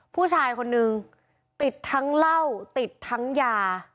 ผู้ชายคนนึงติดทั้งเหล้าติดทั้งยา